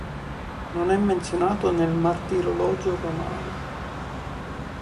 Non è menzionato nel martirologio romano.